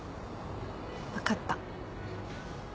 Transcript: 分かった。